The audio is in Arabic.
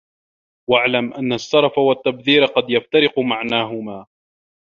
وَاعْلَمْ أَنَّ السَّرَفَ وَالتَّبْذِيرَ قَدْ يَفْتَرِقُ مَعْنَاهُمَا